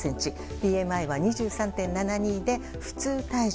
ＢＭＩは２３．７２で普通体重。